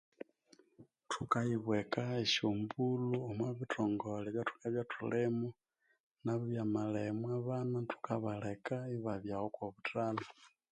Thukayibweka eshombolho omobithongole byathukabya thulimo nabyobamalemwa abana thukabaleka ibikalha aho okwabuthalha